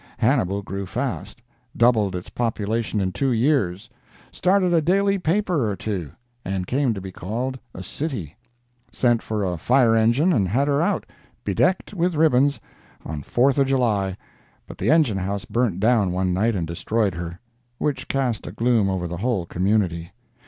Hannibal grew fast—doubled its population in two years, started a daily paper or two, and came to be called a city—sent for a fire engine and had her out, bedecked with ribbons, on Fourth of July, but the engine house burned down one night and destroyed her, which cast a gloom over the whole community.